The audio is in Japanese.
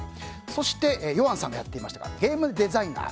そして、ヨアンさんがやっていたゲームデザイナー。